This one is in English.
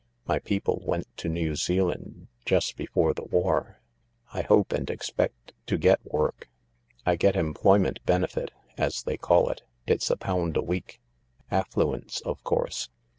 My people went to New Zealand just before the war. I hope and expect to get work. I get employment benefit, as they call it. It's a pound a week. Affluence, of course.